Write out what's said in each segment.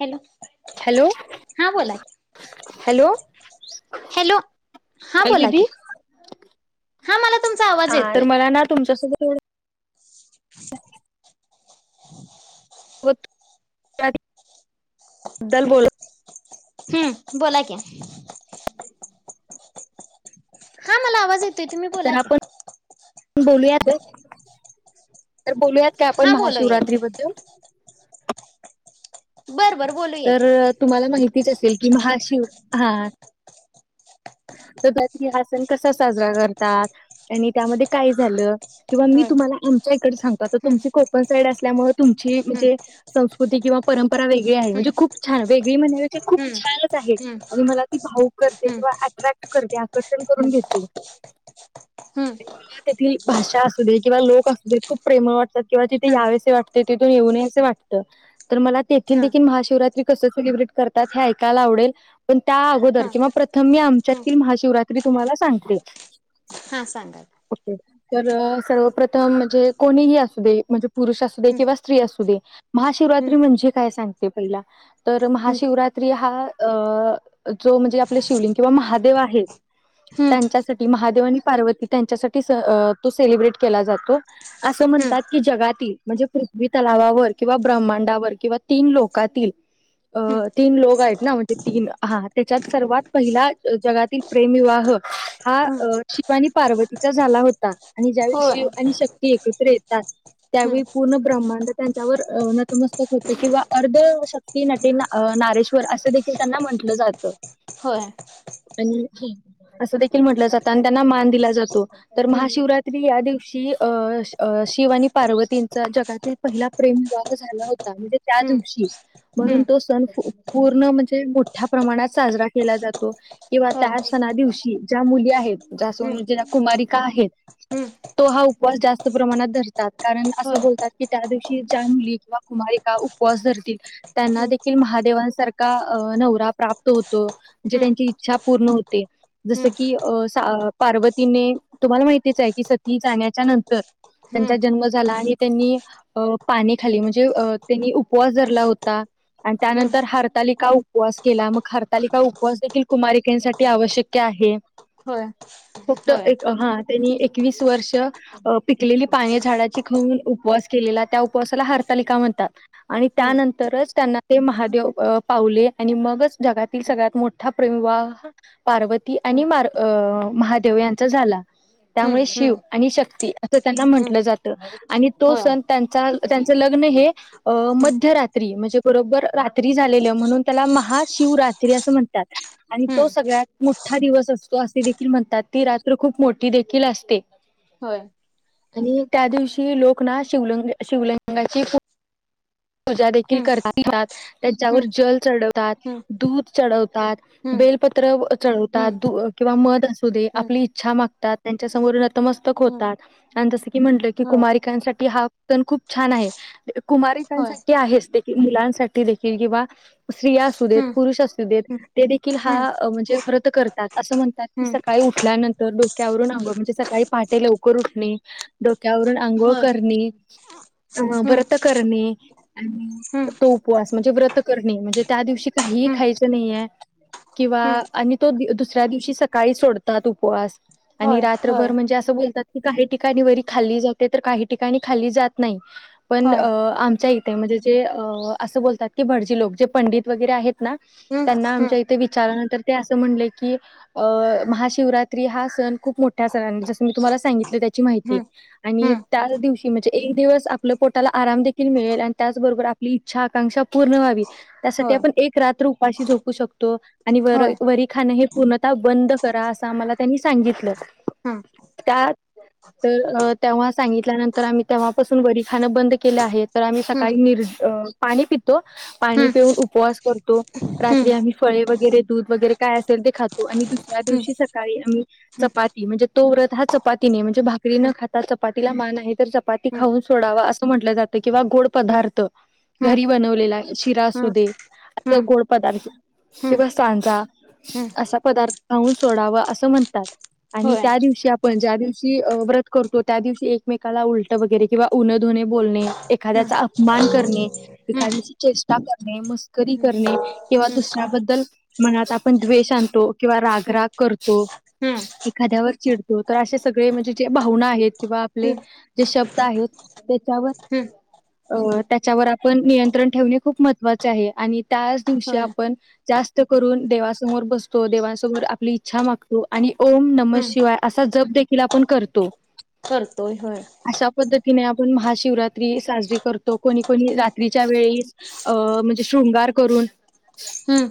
Hello hello, हा बोला की हॅलो हॅलो हा हॅल बोला दिदी की हा मला तुमचा आवाज येतोय तर मला ना तुमच्यासोबत हो दल बला हम्म बोला कि हा मला आवाज येतोय तुम्ही बोला तर की आपण बोलूयात तर बोलूयात काय आपण हा बोलूया महाशिवरात्री की बद्दल बरं बरं बोलूया तर की तुम्हाला माहितीच असेल की महाशिव हा तर रात्री हा सण कसा साजरा करतात आणि त्यामध्ये काय झालं किंवा मी होय तुम्हाला आमच्या इकडे सांगतो तर हम्म तुमची कोपण साईड असल्यामुळे तुमची हम्म म्हणजे संस्कृती किंवा परंपरा वेगळी आहे म्हणजे खूप छान वेगळी म्हणण्यापेक्षा खूप हम्म छानच आहे हम्म आणि मला ती भावक करते हम्म किं आकर्षण करून घेत म हम्म तेथील भाषा असू दे किंवा लोक असू दे खूप प्रेम वाटतात किंवा तिथे हम्म यावेसे वाटते तून येऊ ने अस वाटत तर मला तेथील हम्म दे महाशिवरात्रि कसं सेलिब्रेट करतात हे ऐकायला आवडेल पण त्या हा अगोदर हा हा किंवा प्रथम मी हा महाशिवरात्री तुम्हाला सांगते हा सांगा ओके तर सर्वप्रथम म्हणजे कोणीही असू दे म्हणजे पुरुष असू दे की. किंवा स्त्री असू दे महाशिव हम्म म्हणजे काय सांग पहिला तर हम्म महाशिवरात्रि हा जो म्हणजे आप शिवलिंग किंवा महादेव आहेत हम्म त्यांच्यासाठी महादेव आणि पार्वती त्यांच्यासाठी तो सेलिब्रेट केला जातो अस हम्म म्हणतात की जगातील म्हणजे पृथ्वी हम्म तलावावर किंवा ब्रहमांडावर किंवा तीन लोकातील अ हम्म तीन लोक आहेत ना म्हणजे तीन हा त्याच्यात सर्वात पहिला जगातील प्रेमविवाह हा हम्म शिव आणि पार्वतीचा झाला होता आणि ज्यावेळी होय शिव हम्म आणि शक्ती एकत्र येतात त्यावेळी पूर्ण ब्रह्मांड त्यांच्यावर नतमस्तक होते किंवा अर्धशक्ती नटी नारेश्वर असं देखील त्यांना म्हंटलं जातं होय आणि असं देखील म्हटलं जातं आणि त्यांना मान दिला जातो तर हम्म महाशिवरात्री या दिवशी शिव आणि पार्वतींचा जगात पहिला प्रेमभग झाला होता म्हणजे त्या हम्म दिवशी म्हणून, हम्म तो सण पूर्ण म्हणजे मोठ्या प्रमाणात साजरा केला जातो. किंवा होय त्या सणा दिवशी ज्या मुली हम्म आहेत ज हम्म जे कुमारिका आहेत. हम्म तो हा उपवास जास्त प्रमाणात धरतात कारण अस होय बोलतात की त्या दिवशी ज्या मुली किंवा कुमारी उपवास धरतील त्यांना हम्म देखील महादेवांसारखा नवरा प्राप्त होतो. हम्म हम्म त्यांची इच्छा पूर्ण होते जस की पार्वतीने तुम्हाला माहितीच आहे की, सती जाण्याच्या नंतर हम्म त्यांचा जन्म झाला आणि त्यांनी अ पाणी हम्म खाली म्हणजे अ त्यांनी उपवास धरला होता. आणि हम्म त्यानंतर हरतालिका उपवास केला मग हरताली का उप उपवास देखील कुमारिकेसाठी आवश्यक आहे. [inaudible] फक्त एक हा त्यांनी एकवीस वर्ष पिकलेली पाणी झाडाची खाऊन उपवास केली केलेला त्या उपवासाला हरतालिका म्हणतात आणि हम्म त्यानंतर त्यांना महादेव पावले आणि मगच जगातील सगळ्यात मोठ ठा प्रवाह पार्वती आणि हम्म म महादेव यांचा झाला. हम्म त्यामुळे शिव हम्म आणि शक्ती असं त्यांना हम्म म्हटलं जातं आणि तो होय हम्म सण त्यांचा त्यांच लग्न मध्यरात्री म्हणजे बरोबर रात्री झालेला म्हणून त्याला महाशिवरात्री अस म्ह आणि तो हम्म सगळ्यात मोठा दिवस असतो असे देखील म्हणतात ती रात्र खूप मोठी देखील असते. होय आणि त्या दिवशी लोक ना शिवलंग शिवलिंगाची- पूजा देखील हम्म करात त्यांच्यावर जल चढवतात हम्म दूध चढवतात. हम्म हम्म बेलपत्र चढवतात हम्म द किंवा मध असू दे आपली इच्छा मागतात त्यांच्या समोर नतमस्तक हम्म हम्म हम्म होतात जस की म्हलं की होय कुमारिकसाठी हा सण खूप छान आहे कुम होय आहे मुलांसाठी देखील किंवा स्त्रया असू द हम्म पुरुष असू देत हम्म देखील हम्म म्हणजे व्रत करतात अस म्हणतात की हम्म सकाळी उठल्यानंतर डोक्यावरून अंगोळ म्हणजे सकाळी पा ते लवकर उठणे डोक्यावरून आंघोळ होय करणे अ हम्म व्रत करणे. आणि तो उपवास म्हणजे व्रत करणे म्हणजे त्या दिवशी काहीही हम्म खायचं नाहीे. किंवा हम्म हम्म आणि तो दुसऱ्या दिवशी सकाळी सोडतात उपवास. आणि होय रात्रभर होय म्हणजे असं बोलतात की काही ठिकाणी वरी खाल्ली जाते तर काही ठिकाणी खाल्ली जात नाही, पण होय आम इथे म्हणजे ज अस बोलतात की म्हणजे भडजी लोक जे पंडित वगैरे आहेत ना हम्म त्यां हम्म आमच्या इथे चारल्यानंतर ते असं म्हट की महाशिवरात्री हा सण खूप मोठ्या सण जसी मला सांगितले त्याची माहिती हम्म आणि हम्म त्याच दिवशी म्हणजे एक दिवस आपलं पोटाला आराम मिळेल आणि त्याचबरोबर आपली इच्छा आकांक्षा पूर्ण व्हावी त्यासाठी होय आपण एक रात्र उपाशी झोपू शकतो. आणि होय वरी खाण हे पूर्णतः बंद करा असं आम्हाला त्यांनी सांगितलं. हम्म त्या तर तेव्हा सांगितल्यानंतर आम्ही तेव्हापासून वरी खाणं बंद केलं आहे. तर आम्ही सकाळी हम्म निर् पाणी पितो पाणी हम्म पिऊन उपवास करतो रात्री आम्ही फळ दही वगैरे दूध वगैरे काय असेल ते खातो आणि दुसऱ्या हम्म दिवशी सकाळी् हम्म चपाती हा चपातीने म्हणजे भाकरी न खातात चपातीला मान आहे तर चपाती खाऊन सोडावा असं म्हटलं जात. किंवा गोड हम्म पदार्थ हम्म हम्म घरी बनवलेला शिरा असूदे आ हम्म गोड पदार्थ. हम्म हम्म हम्म तेव सांजा हम्म असा पदार्थ घाऊन सोडावा असं म्हणतात. आणि होय त्या दिवशी आपण ज्या दिवशी व्रत करतो त्या दिवशी एकमेकाला उलट वगैरे किंवा उन धुन बोलणे हम्म एखाद्याचा अपमान करणे हम्म एखाद्याची चेष्टा करणे मस्करी हम्म करणे किंवा हम्म दुस बद्दल मनात आपण द्वेष आणतो किंवा रागराग करतो. हम्म एखाद्यावर चिडतो तर असे सगळे म्हणजे जे भावना आहेत किंवा आपले हम्म जे शब्द आहेत. त्याच्यावर हम् अ त्याच्यावर आपण नियंत्रण ठेवणे खूप महत्त्वाचे आहे आणि त्याच दिवशी होय आपण जास्त करून देवासमोर बसतो देवाांसमोर आपली इच्छा मागतो आणि ओम नम हम्म शिवाय असा जप देखील आपण करतो. करतोय होय. कणी आपण महाशिवरात्री साजरी करतो कोणी कोणी हम्म रात्रीच्या वेळी अ म्हणजे शृंगार करून हम्म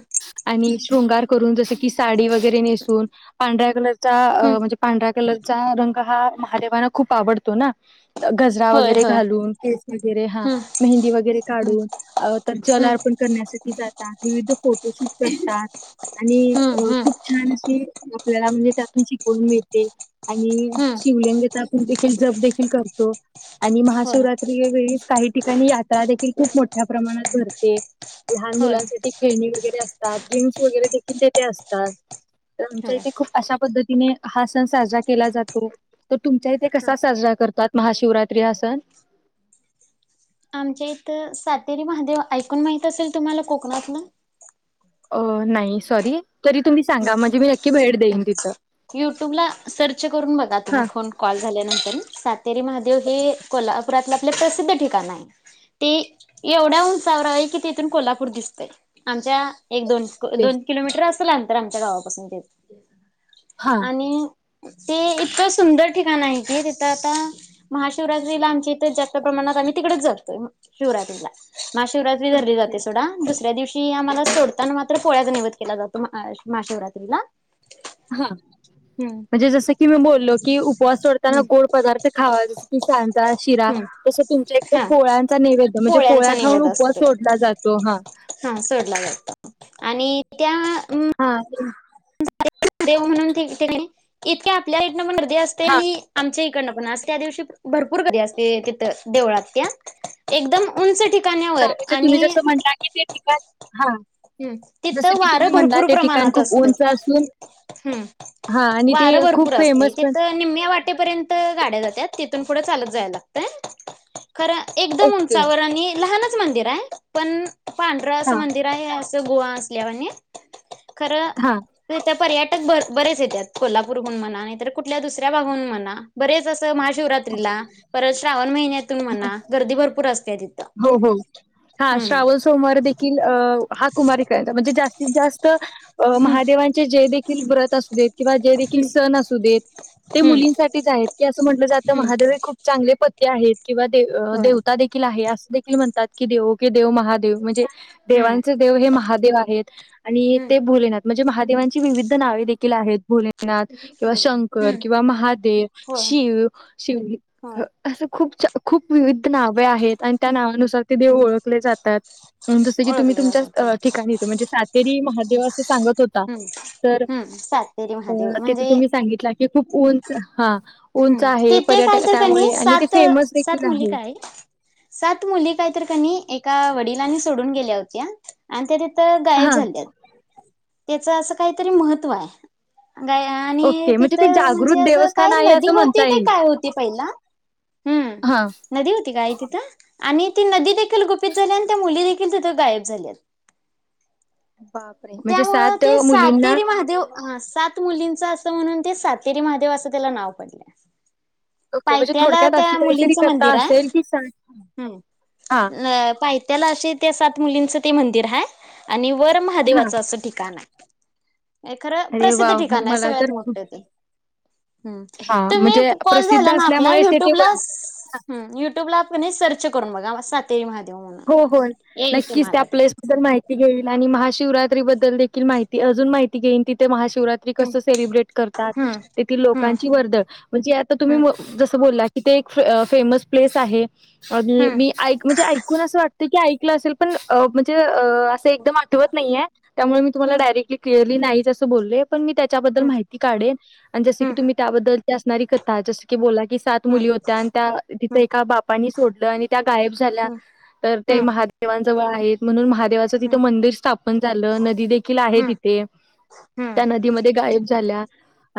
आणि शृंगार करून जस की साडी वगैरे नेसून पांढऱ्या कलरचा हम्म म्हणजे पांढ रा कलरचा रंग हा महादेवाना खूप आवडतो ना गजरा होय वगैरे होय घालून केस वगैरे हा हम्म मेहंदी वगैरे काढून तर जल हम्म अर्पण करण्यासाठी जातात विविध फोटोशूट करतात. आणि हम्म हम्म खूप छान असे आपल्याला म्हणजे त्यातून शिकवून मिळते आणि हम्म शिवलिंगचा आपण देखील जप देखील करतो आणि होय महाशिवरात्र त्यावेळेस काही ठिकाणी यात्रा देखील खूप मोठ्या प्रमाणात भरते लहान होय मुलांसाठी खेळणी वगैरे असतात. गेम्स वगैरे देखील तेथे असतात. आमच्या होय इथे खूप अशा पद्धतीने हा सण साजरा केला जातो तर तुमच्या इथे ह कसा साजरा करतात? महाशिवरात्री हा सण आमच्या इथं सातेरी महादेव ऐकून माहित असेल तुम्हाला कोकणातलं अ नाही सॉरी तरी तुम्ही सांगा म्हणजे मी नक्की ब युटूबला सर्च करून बघा हा तुम्ही कॉल झाल्यानंतर सातेरी महादेव हे कोल्हापुरातले आपले प्रसिद्ध ठिकाण आहे. ती एवढ्या उंचावर आहे की तिथून कोल्हापूर दिसतय आमच्या एक दोन तेच दोन किलोमीटर असेल अंतर आमच्या गावापासून ते हा आणि ते इतकं सुंदर ठिकाण आहे. की तिथं आता महाशिवरात्रीला आमच्या इथ जास्त प्रमाणात आही तिकडेच जातोय शिवरात्रीला. महाशिवरात्री धरली जाते सोडा दुसऱ्या दिवशी आम्हाला सोडताना मात्र पोळ्याचा निवद केला जातो. महाशिवरात्रीला हा हम्म म्हणजे जसं की मी बोललो की उपवास ना हम्म गोड पदार्थ खावा जस की सांजा शिरा हम्म तस तुमच्या इकडे हा पोळ्यांचा नैवेद्य म्हणजे पो पोळ्यांचा ळ्या खाऊन निवेद उपवास असतोय सोडला जातो हा. हा सोडला आणि त्या हा देव म्हणून इतके आपल्या इथ पण घरी असते हा आणि आमच्या इकडंन पण असते त्या दिवसी भरपूर गर्दी असते. तिथ देवळात त्या एकदम उंच ठिका ण्यावर म्हणजे तुम्ही आणि जसं म्हटला की ते ठिकाण हा हम् जसं तिथं की तुम्ही वारं म्हणला भरपूर ते ठिकाण प्रमाणात खूप असतं. उंच असून ह् हा आणि ते वार खूप भरपूर असत फेमस पण तिथ निम्म्या वाटेपर्यंत, गाड्या जातात तिथून पुढ चालत जावं लागतय. खरं एकदम ओके उंचावर आणि लहानच मंदिर आहे पण पांढरं असं हा मंदिर आहे. गुहा असल्यावाणी खरं हा त्याच्या पर्यटक बरेच येतात कोल्हापूरहून म्हणा नाही तरर कुठल्या दुसऱ्या भागाहून म्हणा बरेच अस. महाशिवरात्रीला परत श्रावण महिन्यातून म्हणा गर्दी भरपूर असते तिथं. हो हो. हा हम्म श्रावण सोमवार देखील हा कुमारीका म्हणजे जास्त महादेवांचे जे देेखील व्रत असू देत किंवा जे देखील सण असू देत. ते हम्म मुलींसाठीच आहेत की अस. अस म्हटलं जातं. हम्म महादेव हे खूप चांगले पती आहेत किंवा दे होय देवता देखील आहे असं. देखील म्हणतात की देवो की देव महादेव म्हणजे हम्म देवांचे देव हे महादेव आहेत आणि हम्म ते भोलेनाथ म्हणजे महादेवांची विविध नावे देखील आहेत, भोलेनाथ, किंवा शंकर, हम्म किंवा महादेव. होय शिव, शिव होय असं खूप, खूप विविध नावे आहेत. आणि त्या नावानुसार ते देव ओळखले जातात. जसं की, तुम्ही ओळखले जातात तुमच्याच ठिकाणी येत म्हणजे सातेरी महादेव असं सांगत होता. हम्म तर हम्म सातेरी महादेव अ तिथे म्हणजे तुम्ही सांगितला की खूप उंच हा. उंच हम्म आहे तिथे काय पर्यटक तर कनी त्यामुळे आणि ते सात, फेमस देखील सात मुली आहे. का आई. सात मुली काय तर कनी ऐक एका वडिलांनी सोडून गेल्या होत्या, आणि त्या तिथ गायब हा झाल्यात. त्याच असं काहीतरी महत्त्व आहे. गय आणि ओके म्हणजे ते तिथं म्हणजे जागृत असं काय देवस्थान आहे नदी असं होती, म्हणता का येईल. काय होती पहिला. हा हम्म नदी होती आई ति ता आणि ती नदी देखील गुपित झाली आणि त्या मुली देखील तिथे गायब झाल्यात. [inaudible] म्हणजे त्यामुळ सात ते मुलींना सातेरी महादेव हा सात मुलीं अस म्हणून ते सातेरी महादेव असं त्याला नाव पडले. ओके म्हणजे पायथ्याला थोडक्यात त्या अशी काहीतरी मुलींचं कथा मंदिर आहे असेल की सात हम. हा अ पाहित्या्ला अशी त्या सात मुलींचं ते मंदिर आहे, आणि वर हा महादेवाचं असं ठिकाण आहे. खरं अरे वा प्रसिद्ध मग ठिकाण आहे, मला सगळ्यात तर मोठं ते. हं हा तुम्ही म्हणजे कॉल प्रसिद्ध झाला ना आप असल्यामुळे सिटी युट्यूबला वन स युटूब नाही सर्च करून बघा सात महादेव. म्हणून हो हो येईल नक्कीच त्या तुम्हाला ते प्लेस बद्दल माहिती घेईल आणि महाशिवरात बद्दल देख माहिती अजून माहिती घेईन तिथे महा श हम्म सेब्रेथ हम्म लोकांची वर्दळ म्हणजे आ तुम्ही हम्म ज ब तिथे एक फेमस प्लेस आहे, आणि हम्म मी ऐक म्हणजे ऐक. ते ऐकलं असेल पण अ म्हणजे अ असं एकदम आठवत नाही त्यामुळे मी तुम्हाला हम्म तुम्हालाडायरे क्लियर मी नाहीच असे बोलले पण मी त्याच्याबद्दल हम्म माहिती काढेल आणि जसं की, हम्म तुम्ही त्याबद्दल. असणारी कथा जस की बोला. की सात मुली होत्या, आणि त्या तिथं हम्म एका बापानी सोडलं आणि त्या गायब झाल्या. हम्म तर ते हम्म महादेवांजवळ आहेत म्हणून म देवाचं तिथं हम्म मंदिर स्थापन झालं नदी देखील आहे हम्म हम्म तिथे. त्या हम्म नदीमध्ये गायब झाल्या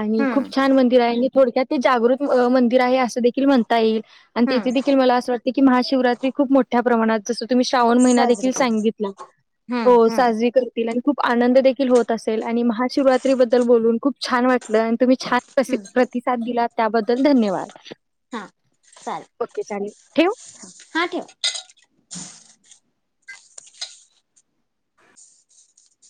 आणि हम्म खूप छान मंदिर आहे, आणि थोडक्यात. ते जागृत मंदिर आहे, असं देखील म्हणता येईल. आणि हम्म तिथे देखील मला असं वाटते की, महाशिवरात्री खूप मोठ्या प्रमाणात जस. तुम्ही श्रावण महि साजरी दे केली सांगितला हम्म हम्म साजरी कर खूप आनंद देखील होत, असेल आणि महाशिवरात्री बद्दल बोलून खूप छान वाटलं आणि तुम्ही छान प्रि हम्म प्रतिसाद दिला त्याबद्दल धन्यवाद. हा चाले ओके चालेल ठेवू हा ठेवा. [inaudible]